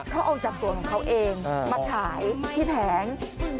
เขาเอาจากสวนของเขาเองมาขายที่แผง